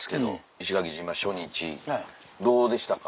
石垣島初日どうでしたか？